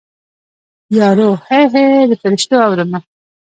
یارو هی هی د فریشتو اورمه